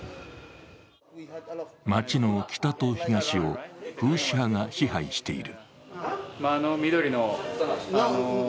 町の北と東をフーシ派が支配している。